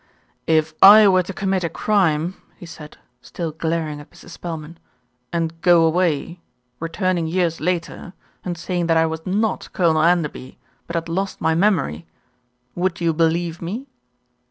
"If I were to commit a crime," he said, still glaring at Mrs. Spelman, "and go away, returning years later, and saying that I was not Colonel Enderby, but had lost my memory, would you believe me?"